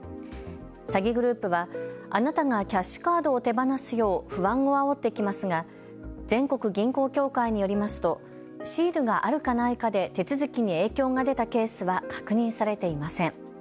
詐欺グループは、あなたがキャッシュカードを手放すよう不安をあおってきますが全国銀行協会によりますとシールがあるかないかで手続きに影響が出たケースは確認されていません。